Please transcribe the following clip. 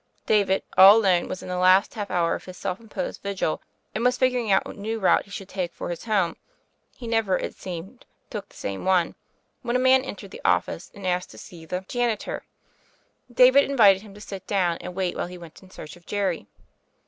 David, all alone, was in the last half hour of his self imposed vigil, and was figuring out what new route he should take for his nome — ^he never, it seemed, took the same one — ^when a man entered the office and asked to see the 124 THE FAIRY OF THE SNOWS * janitor. David invited him to sit down and wait while he went in search of Jerry.